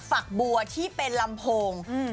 ฝักบัวที่เป็นลำโพง